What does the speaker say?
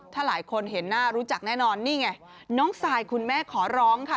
ถ้าหลายคนเห็นหน้ารู้จักแน่นอนนี่ไงน้องซายคุณแม่ขอร้องค่ะ